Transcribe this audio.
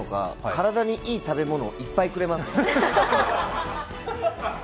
体にいい食べ物をいっぱいくれます。